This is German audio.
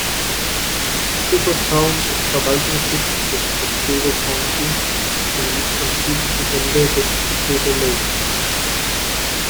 Cooperstown ist Verwaltungssitz des Otsego County und liegt am südlichen Ende des Otsego Lake.